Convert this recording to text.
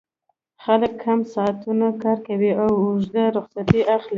خلک کم ساعتونه کار کوي او اوږدې رخصتۍ اخلي